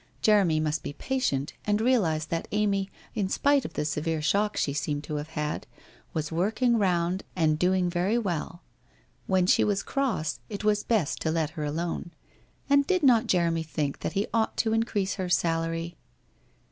Jeremy must be patient and realize that Amy, in spite of the severe shock she seemed to have had, was working round and doing very well. When she was cross, it was best to let her alone. And did not Jeremy think that he ought to increase her salary